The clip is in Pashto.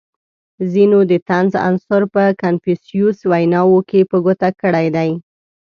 • ځینو د طنز عنصر په کنفوسیوس ویناوو کې په ګوته کړی دی.